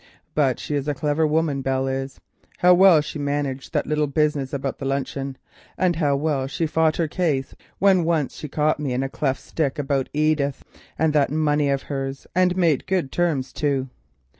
But she is a clever woman, Belle is —how well she managed that little business of the luncheon, and how well she fought her case when once she got me in a cleft stick about Edith and that money of hers, and made good terms too.